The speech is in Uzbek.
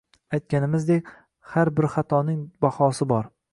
Aytganimizdek, har bir xatoning bahosi bor